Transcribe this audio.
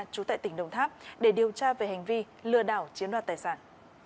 trú tại tỉnh đồng tháp để điều tra về hành vi lừa đảo chiếm đoạt tài sản